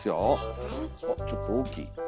あちょっと大きい。